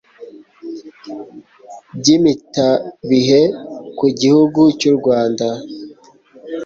by'impitabihe ku gihugu cy'u Rwanda,